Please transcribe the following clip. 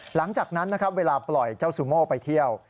หลังจากนั้นนะครับเวลาปล่อยเจ้าซูโม่ไปเที่ยว